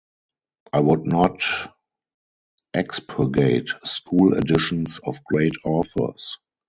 I would not expurgate school editions of great authors.